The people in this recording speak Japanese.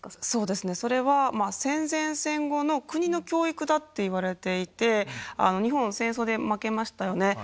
そうですね、それは戦前戦後の国の教育だっていわれていて、日本、戦争で負けましたよね。